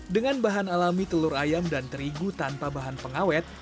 dengan bahan alami telur ayam dan terigu tanpa bahan pengawet